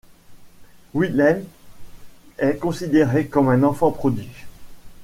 Wilhelmj est considéré comme un enfant prodige.